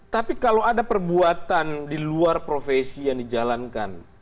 tapi kalau ada perbuatan di luar profesi yang dijalankan